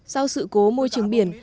sau sự cố môi trường biển